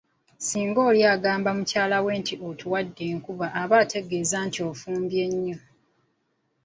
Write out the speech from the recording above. Singa oli agamba omukyala nti ‘otuwadde enkumba’ aba ategeeza nti ofumbye nnyo.